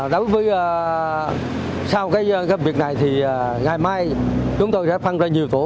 đối với sau cái việc này thì ngày mai chúng tôi sẽ phân ra nhiều cổ